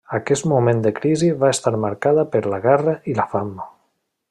Aquest moment de crisi va estar marcada per la guerra i la fam.